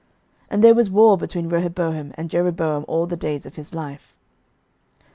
11:015:006 And there was war between Rehoboam and Jeroboam all the days of his life.